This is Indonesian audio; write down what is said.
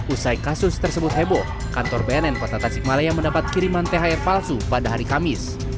usai kasus tersebut heboh kantor bnn kota tasikmalaya mendapat kiriman thr palsu pada hari kamis